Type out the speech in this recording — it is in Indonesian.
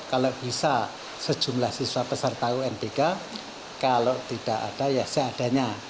kalau bisa sejumlah siswa peserta unbk kalau tidak ada ya seadanya